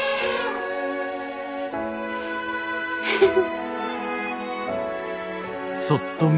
フフフ。